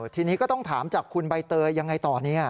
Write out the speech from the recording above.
ทีนี้ก็ต้องถามจากคุณใบเตยยังไงต่อเนี่ย